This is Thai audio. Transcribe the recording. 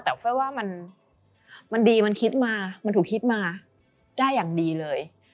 แต่ไฟล์ว่ามันดีมันคิดมามันถูกคิดมาได้อย่างดีเลย